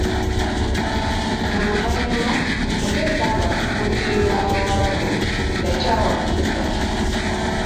Mu luvannyuma, Mutesa ng'afukuutirirwa Abawarabu, yakyawa Abaminsani.